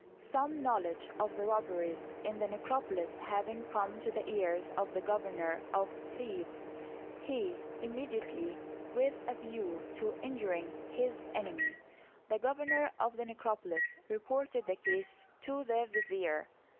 Some knowledge of the robberies in the necropolis having come to the ears of the governor of Thebes, he immediately, with a view to injuring his enemy, the governor of the necropolis, reported the case to the vizier.